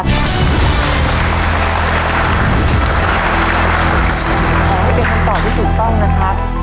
ขอให้เป็นคำตอบที่ถูกต้องนะครับ